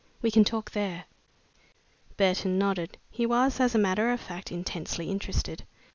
We can talk there." Burton nodded. He was, as a matter of fact, intensely interested.